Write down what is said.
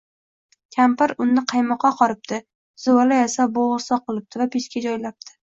Kampir unni qaymoqqa qoribdi, zuvala yasab bo’g’irsoq qilibdi va pechga joylabdi